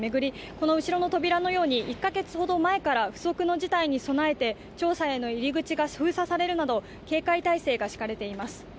この後ろの扉のように１か月ほど前から不測の事態に備えて庁舎への入り口が封鎖されるなど警戒態勢が敷かれています